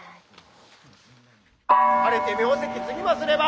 晴れて名跡継ぎますれば。